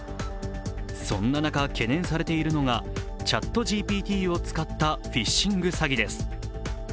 そんな中懸念されているのがＣｈａｔＧＰＴを使ったフィッシング詐欺です。